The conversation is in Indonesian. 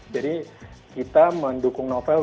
jadi kita mendukung novel